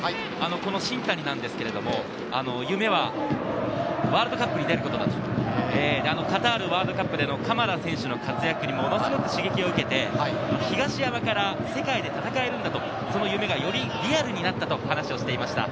この新谷ですが、夢はワールドカップに出ることだと、カタールワールドカップでの鎌田選手の活躍にものすごく刺激を受けて、東山から世界で戦えるんだと、その夢がよりリアルになったと話をしていました。